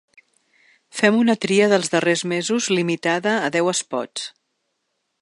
Fem una tria dels darrers mesos limitada a deu espots.